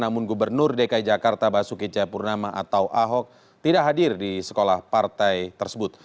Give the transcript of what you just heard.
namun gubernur dki jakarta basuki cahapurnama atau ahok tidak hadir di sekolah partai tersebut